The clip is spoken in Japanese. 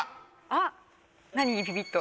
あっ何にビビッと？